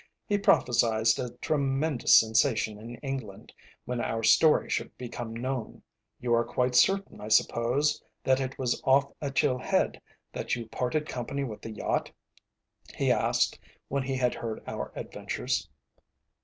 He prophesied a tremendous sensation in England when our story should become known. "You are quite certain, I suppose, that it was off Achil Head that you parted company with the yacht?" he asked when he had heard our adventures.